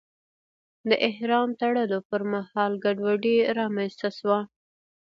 د احرام تړلو پر مهال ګډوډي رامنځته شوه.